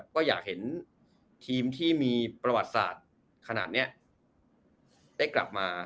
ก็อยากเห็นทีมที่มีประวัติศาสตร์ขนาดนี้ได้กลับมา